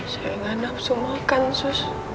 saya enggak nafsu makan sus